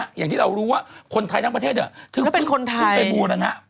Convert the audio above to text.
บูรณะอย่างที่เรารู้ว่าคนไทยทั้งประเทศถึงเป็นบูรณะ